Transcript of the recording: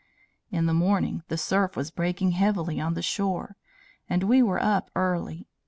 "In the morning, the surf was breaking heavily on the shore, and we were up early.